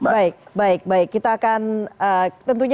baik baik baik kita akan tentunya